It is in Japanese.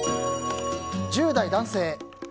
１０代男性。